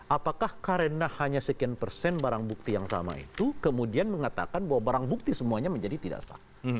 apakah karena hanya sekian persen barang bukti yang sama itu kemudian mengatakan bahwa barang bukti semuanya menjadi tidak sah